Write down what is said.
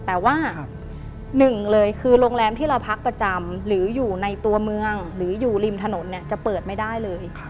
แต่ว่าหนึ่งเลยคือโรงแรมที่เราพักประจำหรืออยู่ในตัวเมืองหรืออยู่ริมถนนเนี่ยจะเปิดไม่ได้เลย